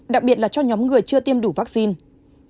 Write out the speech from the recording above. đặc biệt là cho nhóm người chưa tiêm đủ vaccine